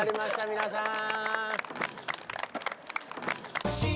皆さん！